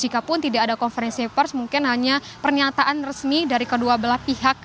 jikapun tidak ada konferensi pers mungkin hanya pernyataan resmi dari kedua belah pihak